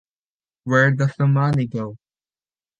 Where does the money go?